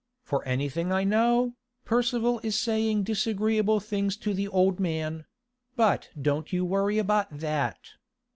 For anything I know, Percival is saying disagreeable things to the old man; but don't you worry about that.